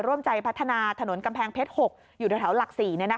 ร่วมใจพัฒนาถนนกำแพงเพชร๖อยู่แถวหลัก๔